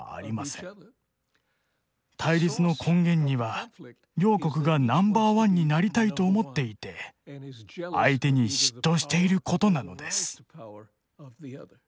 対立の根源には両国がナンバーワンになりたいと思っていて相手に嫉妬していることなのです。